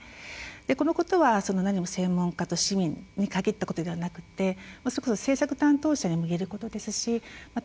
このことは専門家と市民に限ったことではなくて政策担当者にも言えることですしまた